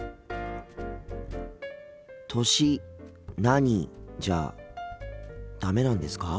「歳何？」じゃダメなんですか？